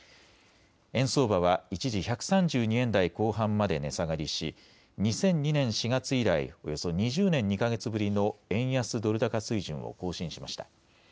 円相場は一時１３２円台後半まで値下がりし２００２年４月以来およそ２０年２か月ぶりの円安ドル高水準を更新しました。